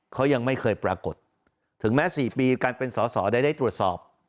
เขายังไม่เคยปรากฏถึงแม้๔ปีการเป็นสอสอได้ตรวจสอบ